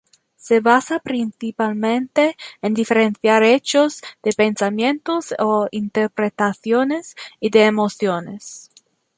Se basa principalmente en diferenciar hechos de pensamientos o interpretaciones, y de emociones.